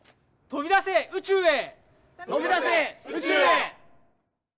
とびだせ宇宙へ。